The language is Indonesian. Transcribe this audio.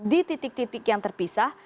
di titik titik yang terpisah